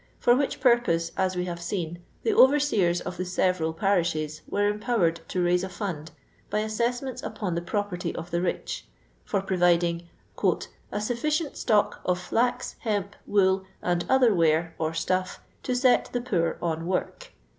for which pur pose, as we have seen, the overseers of the several parishes were empowered to raise a fund by assessments upon the property of the rich, for providing " a sufficient stock of flax, hemp, wool, and other ware or stuff, to set the poor on work."